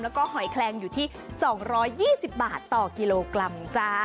แล้วก็หอยแคลงอยู่ที่๒๒๐บาทต่อกิโลกรัมจ้า